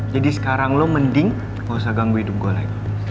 jadi sekarang lo mending gak usah ganggu hidup gue lagi